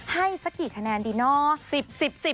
สักกี่คะแนนดีเนาะ